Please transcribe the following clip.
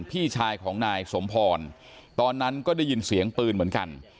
พี่ชายของนายสมพรตอนนั้นก็ได้ยินเสียงปืนเหมือนกัน